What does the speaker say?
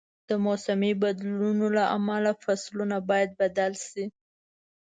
د موسمي بدلونونو له امله فصلونه باید بدل شي.